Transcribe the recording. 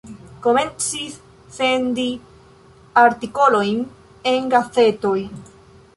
Komencis sendi artikolojn en gazetoj.